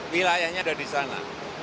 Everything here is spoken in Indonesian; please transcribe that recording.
wilayahnya ada di sana